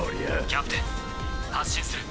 キャプテン発進する。